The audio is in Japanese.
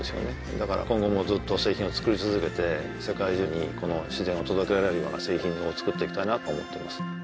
だから今後もずっと製品を作り続けて世界中にこの自然を届けられるような製品を作っていきたいなと思ってます